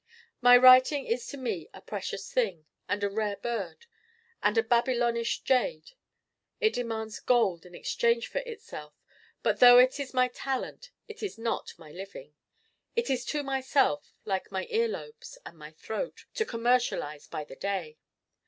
My writing is to me a precious thing and a rare bird and a Babylonish jade. It demands gold in exchange for itself. But though it is my talent it is not my living. It is too myself, like my earlobes and my throat, to commercialize by the day.